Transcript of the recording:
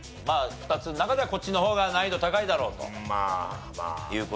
２つの中ではこっちの方が難易度高いだろうという事ですね。